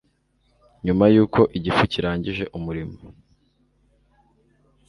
Nyuma yuko igifu kirangije umurimo